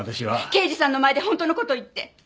刑事さんの前で本当の事言って。